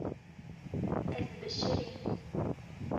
Ez bişirîm.